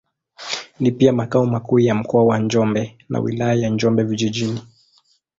Ni pia makao makuu ya Mkoa wa Njombe na Wilaya ya Njombe Vijijini.